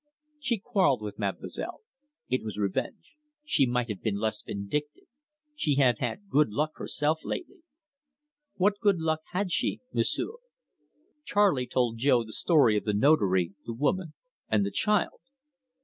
"She quarrelled with mademoiselle. It was revenge. "She might have been less vindictive. She had had good luck herself lately." "What good luck had she, M'sieu'?" Charley told Jo the story of the Notary, the woman, and the child.